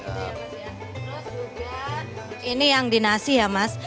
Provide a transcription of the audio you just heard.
terus juga ini yang di nasi ya mas